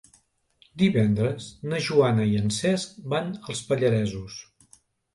Divendres na Joana i en Cesc van als Pallaresos.